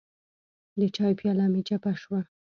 د چای پیاله مې چپه شوه.